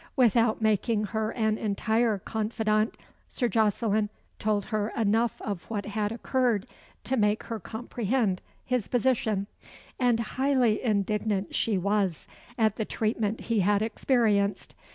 Without making her an entire confidante, Sir Jocelyn told her enough of what had occurred to make her comprehend his position; and highly indignant she was at the treatment he had experienced.